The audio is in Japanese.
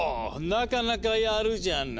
なかなかやるじゃない。